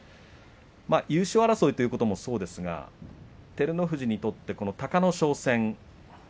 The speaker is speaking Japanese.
優勝争いということもそうですが照ノ富士にとって隆の勝戦